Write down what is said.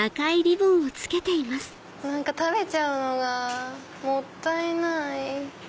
食べちゃうのがもったいない。